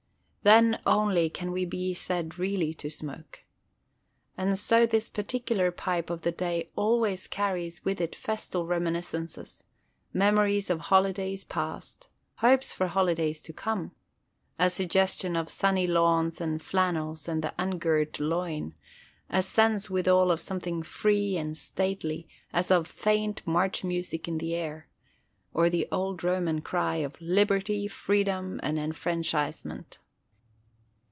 Then only can we be said really to smoke. And so this particular pipe of the day always carries with it festal reminiscences: memories of holidays past, hopes for holidays to come; a suggestion of sunny lawns and flannels and the ungirt loin; a sense withal of something free and stately, as of "faint march music in the air," or the old Roman cry of "Liberty, freedom, and enfranchisement."